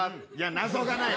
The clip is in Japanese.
謎がない！